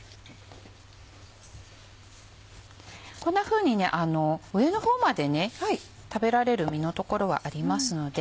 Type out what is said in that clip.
こんなふうに上の方まで食べられる実のところはありますので。